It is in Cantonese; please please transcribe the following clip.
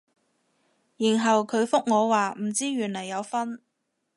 然後佢覆我話唔知原來有分